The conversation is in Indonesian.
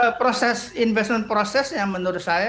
itu karena proses investment process yang menurut saya